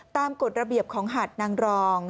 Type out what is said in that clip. ตามกฎระเบียบของหัฐนางรอง